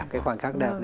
cái khoảnh khắc đẹp